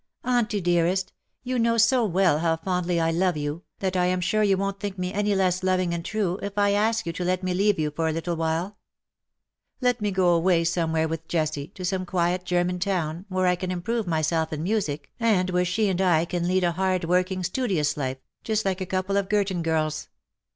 " Auntie, dearest, you know so well how fondly I love you, that I am sure you won't think me any less loving and true, if I ask you to let me leave you for a little while. Let me go away somewhere with Jessie, to some quiet German town, where I can improve myself in music, and where she and I can lead a hard working, studious life, just like a couple of Girton girls.